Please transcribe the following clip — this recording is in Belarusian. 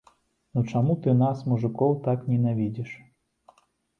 Ну чаму ты нас, мужыкоў, так ненавідзіш?